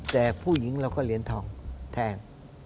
แต่ผู้หญิงเราก็เหรียญทองแทน